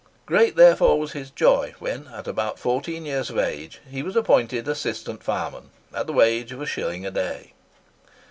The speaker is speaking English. Great therefore was his joy when, at about fourteen years of age, he was appointed assistant fireman, at the wage of a shilling a day.